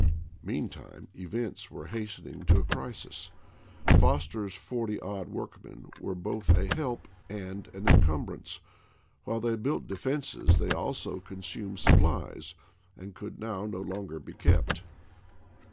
Meantime events were hastening to a crisis. Foster's forty odd workmen were both a help and an encumbrance; while they built defenses they also consumed supplies, and could now no longer be kept.